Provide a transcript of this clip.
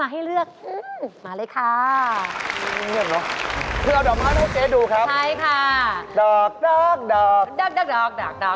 ดอกนี่ครับครับผมนี่คือดอกรักนะฮะ